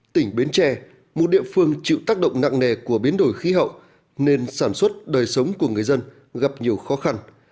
tỉnh bến tre một địa phương chịu tác động nặng nề của biến đổi khí hậu nên sản xuất đời sống của người dân gặp nhiều khó khăn